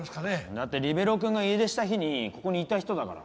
だってリベロウくんが家出した日にここにいた人だから。